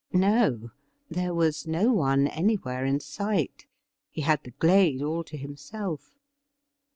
No, there was no one anywhere in sight ; he had the glade all to him self.